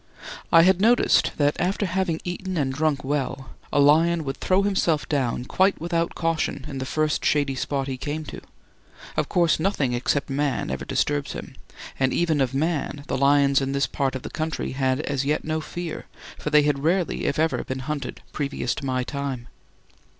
I had noticed that after having eaten and drunk well, a lion would throw himself down quite without caution in the first shady spot he came to; of course nothing except man ever disturbs him, and even of man the lions in this part of the country had as yet no fear, for they had rarely if ever been hunted previous to my time.